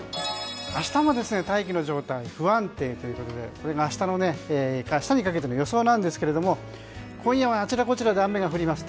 明日も大気の状態が不安定ということでこれが明日にかけての予想なんですけども今夜はあちらこちらで雨が降ります。